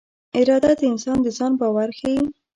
اراده د انسان د ځان باور ښيي.